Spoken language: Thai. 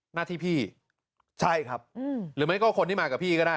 หน้าที่พี่ใช่ครับหรือไม่ก็คนที่มากับพี่ก็ได้